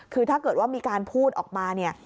คือถ้าเกิดว่ามีการพูดออกมาเนี่ย